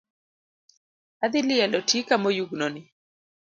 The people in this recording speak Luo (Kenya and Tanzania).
Adhi lielo tika moyugno ni